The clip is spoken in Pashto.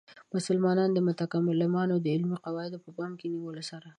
د مسلمانو متکلمانو د علمي قواعدو په پام کې نیولو سره.